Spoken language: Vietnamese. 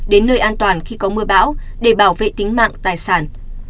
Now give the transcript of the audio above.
đến nơi an toàn khi có mưa bão để bảo vệ tính mạng tài sản